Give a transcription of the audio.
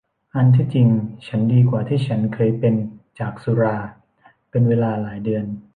อันที่จริงฉันดีกว่าที่ฉันเคยเป็นจากสุราเป็นเวลาหลายเดือน